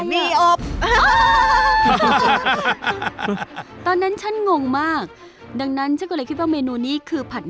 ไม่ใช่อันนี้อันนี้คืออะไร